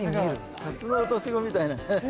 何かタツノオトシゴみたいなね。